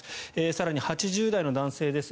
更に、８０代の男性です。